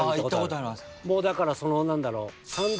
もうだから何だろう。